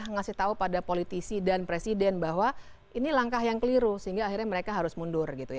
ngasih tahu pada politisi dan presiden bahwa ini langkah yang keliru sehingga akhirnya mereka harus mundur gitu ya